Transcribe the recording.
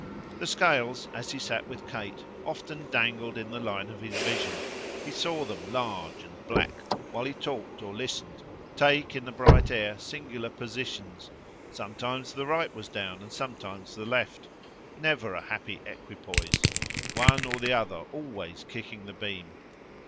The scales, as he sat with Kate, often dangled in the line of his vision; he saw them, large and black, while he talked or listened, take, in the bright air, singular positions. Sometimes the right was down and sometimes the left; never a happy equipoise one or the other always kicking the beam.